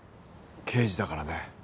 刑事だからね。